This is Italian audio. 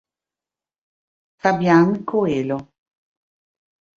Fabián Coelho